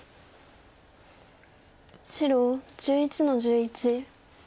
白１１の十一。